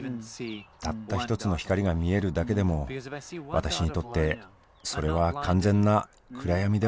たった一つの光が見えるだけでも私にとってそれは完全な暗闇ではないからです。